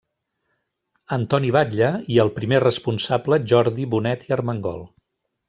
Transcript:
Antoni Batlle, i el primer responsable Jordi Bonet i Armengol.